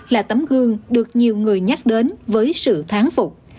là tấm gương được nhiều người nhắc đến với sự tháng phục